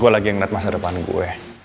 gue lagi yang net masa depan gue